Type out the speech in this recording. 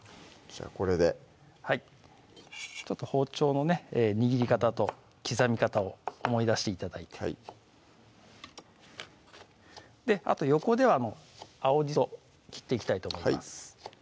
じゃあこれではいちょっと包丁のね握り方と刻み方を思い出して頂いてあと横で青じそ切っていきたいと思います